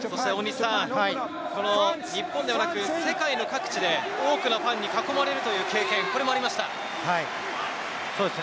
日本ではなく世界の各地で多くのファンに囲まれるという経験、これもありました。